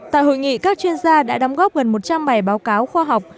tại hội nghị các chuyên gia đã đóng góp gần một trăm linh bài báo cáo khoa học